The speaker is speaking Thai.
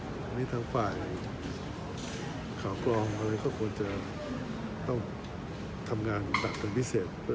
หรือที่ทางฝ่ายข่าวกล้องอะไรเขาควรจะต้องทำงานอยู่แบบเป็นพิเศษเพื่อ